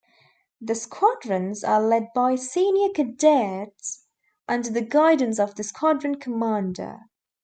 The squadrons are led by senior cadets under the guidance of the squadron commander.